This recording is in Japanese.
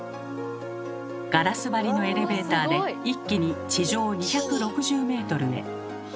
ガラス張りのエレベーターで一気に地上２６０メートルへ。